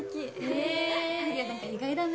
へえ何か意外だね